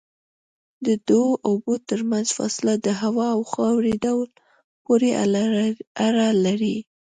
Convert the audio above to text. د دوو اوبو ترمنځ فاصله د هوا او خاورې ډول پورې اړه لري.